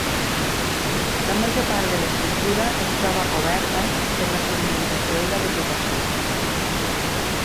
La major part de l'estructura es troba cobert per la sedimentació i la vegetació.